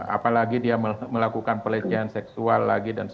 apalagi dia melakukan pelecehan seksual lagi